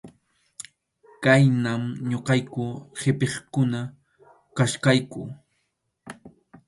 Khaynam ñuqayku qʼipiqkuna kachkayku.